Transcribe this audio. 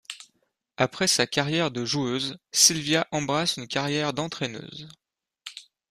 Après sa carrière de joueuse, Silvia embrasse une carrière d'entraîneuse.